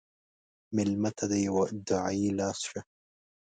مېلمه ته د یوه دعایي لاس شه.